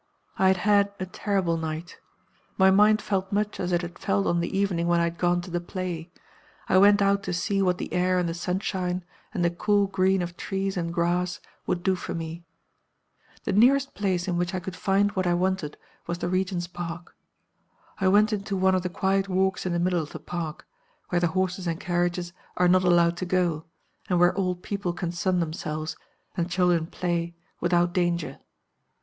"I had had a terrible night. My mind felt much as it had felt on the evening when I had gone to the play. I went out to see what the air and the sunshine and the cool green of trees and grass would do for me. The nearest place in which I could find what I wanted was the Regent's Park. I went into one of the quiet walks in the middle of the park, where the horses and carriages are not allowed to go, and where old people can sun themselves, and children play, without danger.